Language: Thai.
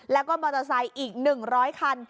แล้วก็มอเตอร์ไซค์อีก๑๐๐คัน